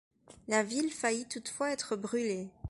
La ville faillit toutefois être brûlée.